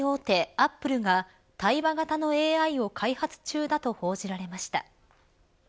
アップルが対話型のＡＩを開発中だと報じられました。